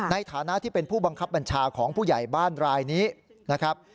ในฐานะที่เป็นผู้บังคับบัญชาของผู้ใหญ่บ้านรายนี้นะครับ